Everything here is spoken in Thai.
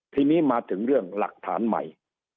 ทีนี้มาถึงเรื่องหลักฐานใหม่